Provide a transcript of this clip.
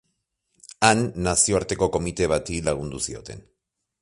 Han nazioarteko komite bati lagundu zioten.